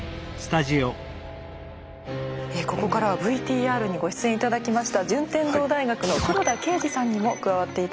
ここからはＶＴＲにご出演頂きました順天堂大学の黒田恵司さんにも加わって頂きます。